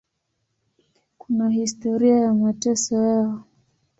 Kuna historia ya mateso yao.